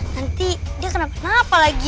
nanti dia kena beneran apa lagi